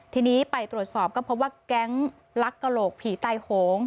ทีนี้ไปตรวจสอบก็พบว่าแก๊งลักกระโหลกผีตายโหง